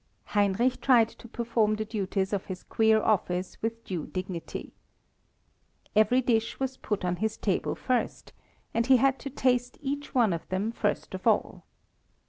Heinrich tried to perform the duties of his queer office with due dignity. Every dish was put on his table first, and he had to taste each one of them first of all.